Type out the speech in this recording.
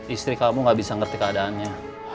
istri kamu gak bisa ngerti keadaannya